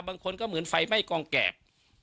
บางคนก็เหมือนไฟไหม้กองแกบ